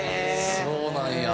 そうなんや！